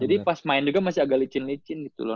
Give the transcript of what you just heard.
pas main juga masih agak licin licin gitu loh